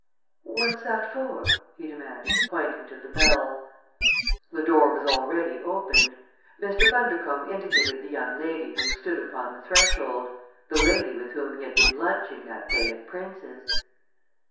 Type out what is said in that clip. "What's that for?" he demanded, pointing to the bell. The door was already opened. Mr. Bundercombe indicated the young lady who stood upon the threshold the lady with whom he had been lunching that day at Prince's.